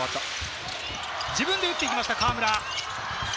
自分で打っていきました、河村。